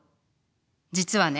実はね